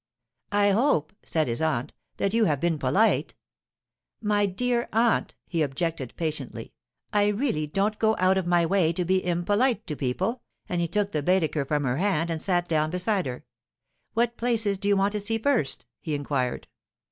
'I hope,' said his aunt, 'that you have been polite.' 'My dear aunt,' he objected patiently, 'I really don't go out of my way to be impolite to people,' and he took the Baedeker from her hand and sat down beside her. 'What places do you want to see first?' he inquired.